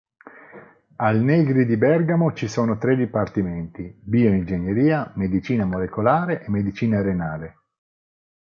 Al Negri di Bergamo ci sono tre dipartimenti: bioingegneria, medicina molecolare e medicina renale.